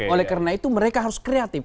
oleh karena itu mereka harus kreatif